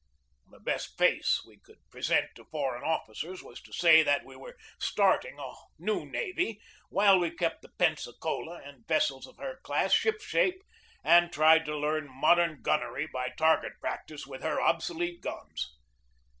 The best face we could present to foreign officers was to say that we were starting a new navy, while we kept the Pensacola and vessels of her class ship shape and tried to learn modern gunnery by target practice with her obsolete guns.